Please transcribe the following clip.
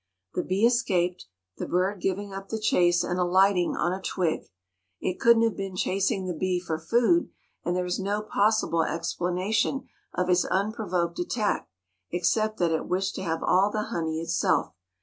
The bee escaped, the bird giving up the chase and alighting on a twig. It couldn't have been chasing the bee for food, and there is no possible explanation of its unprovoked attack except that it wished to have all the honey itself.